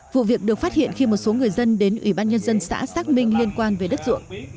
vụ việc được phát hiện khi một số người dân đến ủy ban nhân dân xã xác minh liên quan về đất ruộng